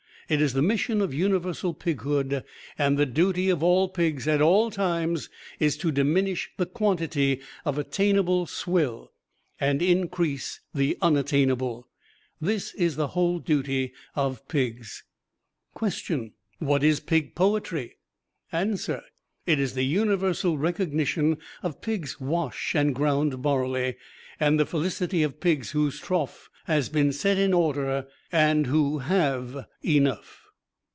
It is the mission of Universal Pighood; and the duty of all Pigs, at all times, is to diminish the quantity of attainable swill and increase the unattainable. This is the Whole Duty of Pigs. "Question. What is Pig Poetry? "Answer. It is the universal recognition of Pig's wash and ground barley, and the felicity of Pigs whose trough has been set in order and who have enough.